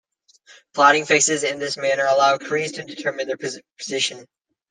Plotting fixes in this manner allow crews to determine their position.